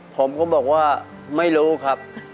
ผมก็บอกว่าไม่รู้ครับ